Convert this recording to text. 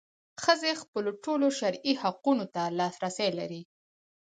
ښځې خپلو ټولو شرعي حقونو ته لاسرسی لري.